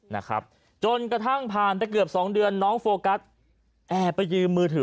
นะครับจนกระทั่งผ่านไปเกือบสองเดือนน้องโฟกัสแอบไปยืมมือถือ